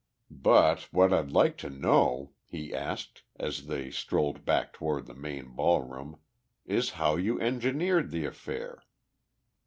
"But what I'd like to know," he asked, as they strolled back toward the main ballroom, "is how you engineered the affair?"